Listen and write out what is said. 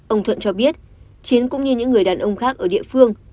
ông thuận cho biết chiến cũng như những người đàn ông khác ở địa phương